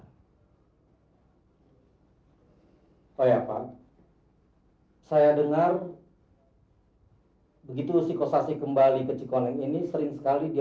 hai saya pak saya dengar begitu psikosasi kembali ke cikonin ini sering sekali dia